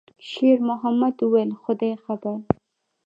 شېرمحمد وویل: «خدای خبر.»